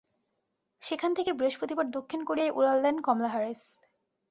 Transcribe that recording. সেখান থেকে বৃহস্পতিবার দক্ষিণ কোরিয়ায় উড়াল দেন কমলা হ্যারিস।